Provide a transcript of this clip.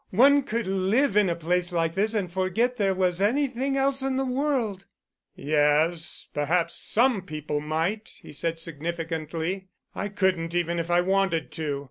One could live in a place like this and forget there was anything else in the world." "Yes, perhaps some people might," he said significantly. "I couldn't, even if I wanted to.